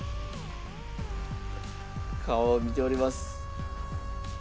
顔を見ております。